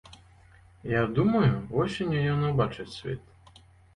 Я думаю, восенню ён убачыць свет.